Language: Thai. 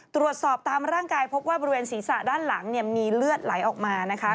ตรวจสอบตามร่างกายพบว่าบริเวณศีรษะด้านหลังเนี่ยมีเลือดไหลออกมานะคะ